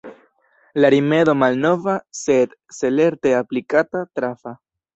La rimedo malnova, sed, se lerte aplikata, trafa.